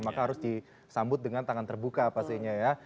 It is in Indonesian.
maka harus disambut dengan tangan terbuka pastinya ya